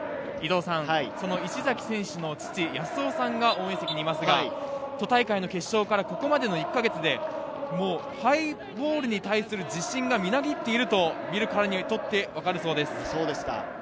石崎選手の父、やすおさんが応援席にいますが、都大会の決勝からここまでの１か月で、ハイボールに対する自信がみなぎっていると見るからにとって分かるそうです。